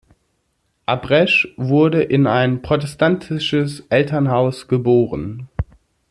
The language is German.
Abresch wurde in ein protestantisches Elternhaus geboren.